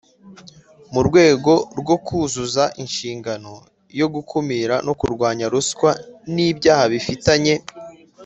Mu rwego rwo kuzuza inshingano yo gukumira no kurwanya ruswa n ibyaha bifitanye